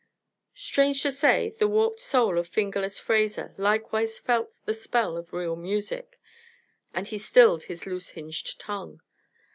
Strange to say, the warped soul of "Fingerless" Fraser likewise felt the spell of real music, and he stilled his loose hinged tongue.